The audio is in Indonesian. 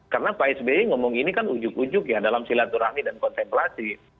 karena pak sbi ngomong ini kan ujug ujug ya dalam silaturahmi dan kontemplasi